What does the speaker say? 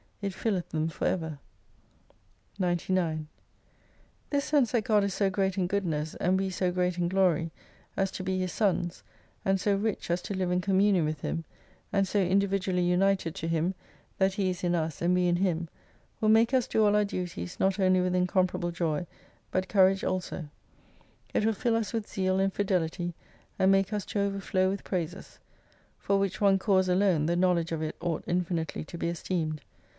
It aileth them for ever, 99 This sense that God is so great in goodness, and we so great in glory, as to be His sons, and so rich as to live in communion with Him, and so individually united to Him, that He is in us, and we in Him, will make us do all our duties not only with incomparable joy but courage also. It will fill us with zeal and fidelity, and make us to overflow with praises. For which one cause alone the knowledge of it ought infi nitely to be esteemed.